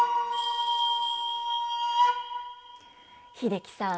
英樹さん